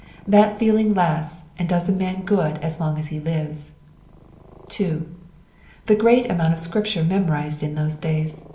That feeling lasts and does a man good as long as he lives. "2. The great amount of Scripture memorized in those days.